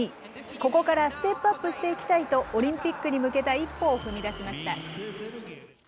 ここからステップアップしていきたいと、オリンピックに向けた一歩を踏み出しました。